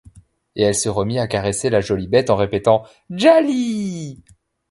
Et elle se remit à caresser la jolie bête en répétant: — Djali!